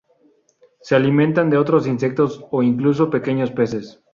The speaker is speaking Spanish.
Se alimentan de otros insectos o incluso pequeños peces.